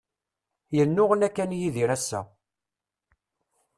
Yennuɣna kan Yidir ass-a.